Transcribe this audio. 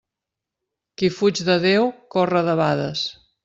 Qui fuig de Déu corre debades.